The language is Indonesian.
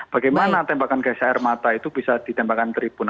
bagaimana tembakan gas air mata itu bisa ditembakkan tribun